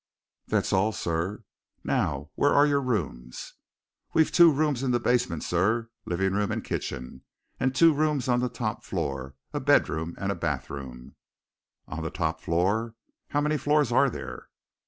"That's all, sir." "Now, where are your rooms?" "We've two rooms in the basement, sir living room and kitchen and two rooms on the top floor a bedroom and a bathroom." "On the top floor. How many floors are there?"